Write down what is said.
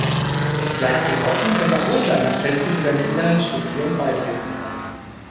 Es bleibt zu hoffen, dass auch Russland nach Festigung seiner inneren Strukturen beitreten kann.